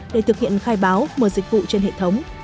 để thực hiện khai báo mở dịch vụ trên hệ thống